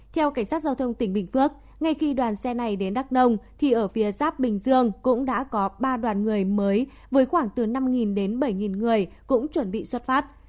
theo cảnh sát giao thông tỉnh bình phước ngay khi đoàn xe này đến đắk nông thì ở phía giáp bình dương cũng đã có ba đoàn người mới với khoảng từ năm đến bảy người cũng chuẩn bị xuất phát